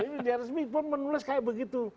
media resmi pun menulis kayak begitu